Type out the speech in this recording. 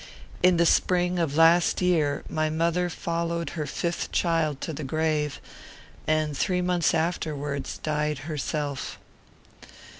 In the spring of last year my mother followed her fifth child to the grave, and three months afterwards died herself.